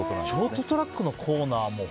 ショートトラックのコーナー